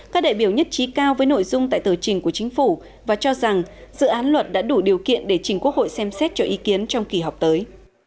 các đại biểu nhất trí cao với nội dung tại tờ trình của chính phủ và cho rằng dự án luật đã đủ điều kiện để chính quốc hội xem xét cho ý kiến trong kỳ họp tới